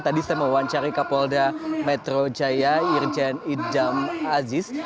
tadi saya mewawancari ke polda metro jaya irjen idjam aziz